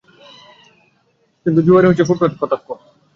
কিন্তু জোয়ারে কপোতাক্ষ নদে দুই থেকে তিন ফুট পানি বেড়ে গেছে।